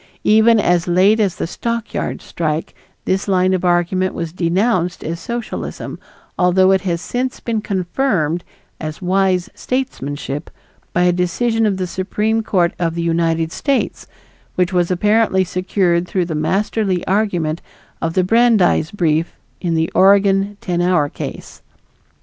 Even as late as the stockyard strike this line of argument was denounced as "socialism" although it has since been confirmed as wise statesmanship by a decision of the Supreme Court of the United States which was apparently secured through the masterly argument of the Brandeis brief in the Oregon ten hour case.